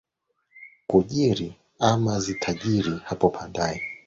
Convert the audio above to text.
kujiri ama zitajiri hapo baadaye